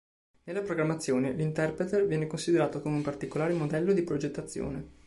Nella programmazione, l"'interpreter" viene considerato come un particolare modello di progettazione.